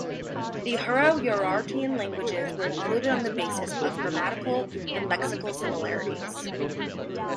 The Hurro-Urartian languages were included on the basis of grammatical and lexical similarities.